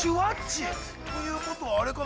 ◆ということはあれかな。